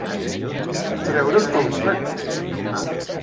Treure's el barret.